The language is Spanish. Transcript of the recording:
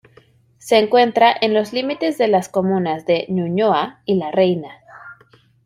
Se encuentra en los límites de las comunas de Ñuñoa y La Reina.